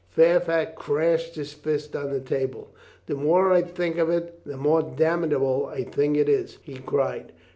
Fairfax crashed his fist on the table. "The more I think of it, the more damnable a thing it is," he cried.